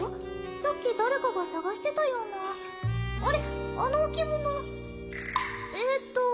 さっき誰かが探してたようなあれっあの置物えっと